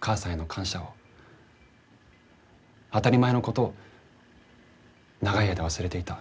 母さんへの感謝を当たり前のことを長い間忘れていた。